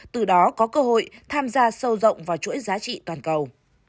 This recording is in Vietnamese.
từ đó có cơ hội tham gia sâu rộng vào chuỗi giá trị toàn cầu